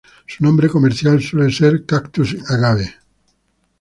Su nombre comercial suele ser "cactus agave".